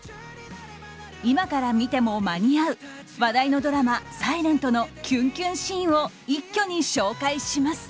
今から見ても間に合う話題のドラマ「ｓｉｌｅｎｔ」のきゅんきゅんシーンを一挙に紹介します。